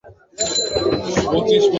ওকে আমি কি পাগল হয়েছি!